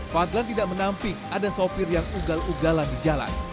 fadlan tidak menampik ada sopir yang ugal ugalan di jalan